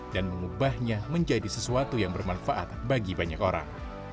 dan mengubahnya menjadi sesuatu yang bermanfaat bagi banyak orang